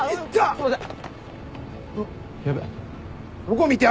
すみません。